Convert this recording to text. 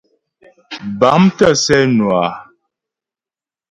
Bâm tə̂ sɛ́ nwə á.